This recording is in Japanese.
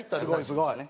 すごいね。